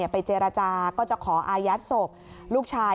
ไปเจรจาก็จะขออายัดศพลูกชาย